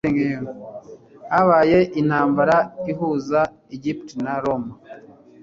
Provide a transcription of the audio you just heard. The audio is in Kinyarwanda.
habaye intambara ihuza Egypte na roma